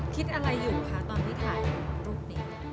คิดอะไรอยู่คะตอนที่ถ่ายรูปติด